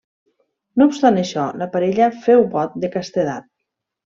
No obstant això, la parella féu vot de castedat.